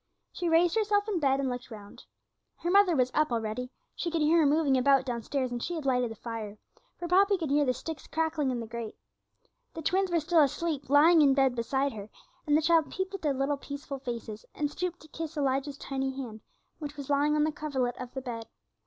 She raised herself in bed and looked round. Her mother was up already; she could hear her moving about downstairs, and she had lighted the fire, for Poppy could hear the sticks crackling in the grate. The twins were still asleep, lying in bed beside her, and the child peeped at their little peaceful faces, and stooped to kiss Elijah's tiny hand, which was lying on the coverlet of the bed.